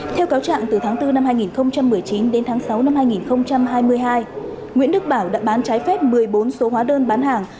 theo cáo trạng từ tháng bốn năm hai nghìn một mươi chín đến tháng sáu năm hai nghìn hai mươi hai nguyễn đức bảo đã bán trái phép một mươi bốn số hóa đơn bán hàng